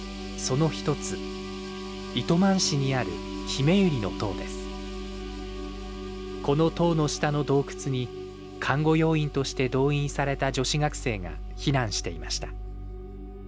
その一つこの塔の下の洞窟に看護要員として動員された女子学生が避難していました。